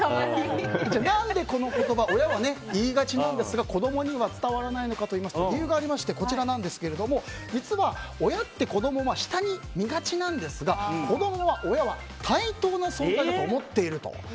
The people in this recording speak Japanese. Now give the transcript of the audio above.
この言葉親は言いがちなんですが子供には伝わらないのかといいますと理由がありまして実は親って子供を下に見がちなんですが子供は親は対等な存在だと思っていると。